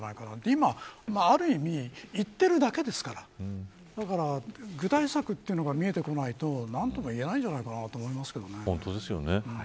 今、ある意味言っているだけですから具体策というのが見えてこないと何とも言えないんじゃないかな本当ですよね。